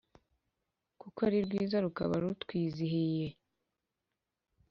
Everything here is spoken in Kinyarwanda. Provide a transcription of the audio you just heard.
kuko ari rwiza rukaba rutwizihiye